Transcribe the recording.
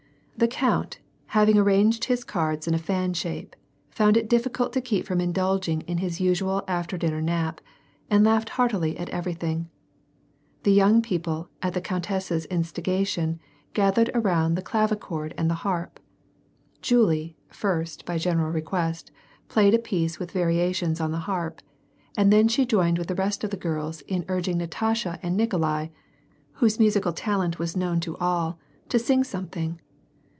The count, having arranged his cards in a fan shape, found it difficult to keep from indulging in his usual after dinner nap, and laughed heartily at everything. The young people at the countess's instigation gathered around the clavichord and the harp. Julie, first, by general request, played a piece with variations on the harp and then she joined with the rest of the girls in urging Natasha and Nikolai, whose musical talent was known to all, to sing something.